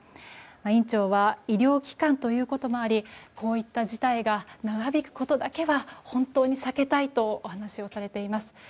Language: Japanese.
院長は医療機関ということもありこういった事態が長引くことだけは本当に避けたいとお話をされています。